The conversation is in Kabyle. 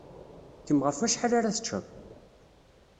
Kemm ɣef wacḥal ara teččeḍ?